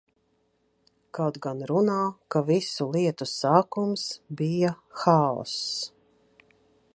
Kaut gan runā, ka visu lietu sākums bija haoss.